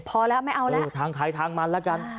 พอแล้วไม่เอาแล้วทางใครทางมันแล้วกัน